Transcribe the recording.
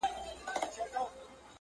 پلار له سترګو ځان پټوي,